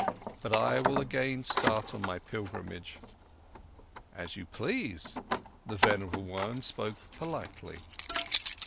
But I will again start on my pilgrimage." "As you please," the venerable one spoke politely.